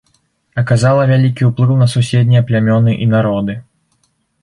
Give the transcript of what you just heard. Аказала вялікі ўплыў на суседнія плямёны і народы.